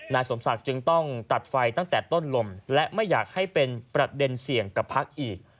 สมศักดิ์จึงต้องตัดไฟตั้งแต่ต้นลมและไม่อยากให้เป็นประเด็นเสี่ยงกับพักอีก